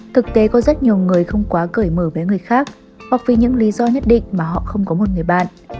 thực tế có rất nhiều người không quá cởi mở với người khác hoặc vì những lý do nhất định mà họ không có một người bạn